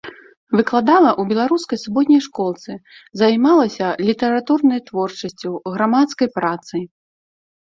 Выкладала ў беларускай суботняй школцы, займалася літаратурнай творчасцю, грамадскай працай.